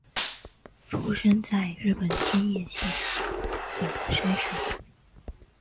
出生在日本千叶县馆山市。